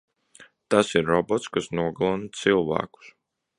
Tas ir robots, kas nogalina cilvēkus.